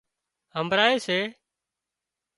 هانمڀۯي سي